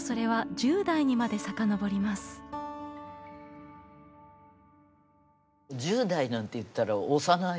１０代なんて言ったら幼い。